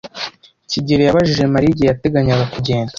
kigeli yabajije Mariya igihe yateganyaga kugenda.